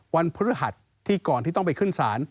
วันพฤหัสที่ก่อนที่ต้องไปขึ้นศาล